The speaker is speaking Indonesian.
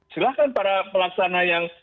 silahkan para pelaksana yang